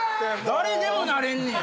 誰でもなれんねん。